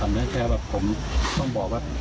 การทำให้มันตามกฎหมายจะพูดมาก